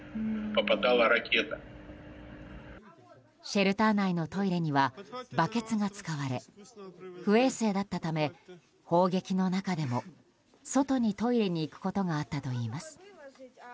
シェルター内のトイレにはバケツが使われ不衛生だったため砲撃の中でも外にトイレに行くことがあったといいます。